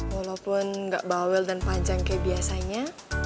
walaupun nggak bawel dan panjang kayak biasanya